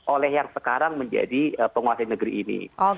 oleh yang sekarang menjadi penguasa negeri ini